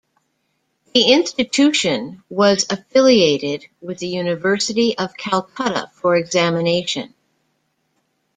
The institution was affiliated with the University of Calcutta for examination.